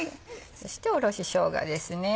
そしておろししょうがですね。